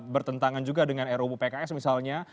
bertentangan juga dengan ruu pks misalnya